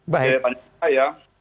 ya tanya ke saya